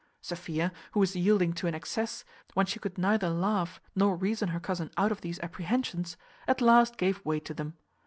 Sophia, who was yielding to an excess, when she could neither laugh nor reason her cousin out of these apprehensions, at last gave way to them.